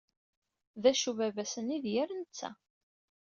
D acu, baba-s-nni d yir netta.